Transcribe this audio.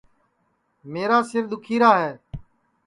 میرا سِر دُؔکھیرا ہے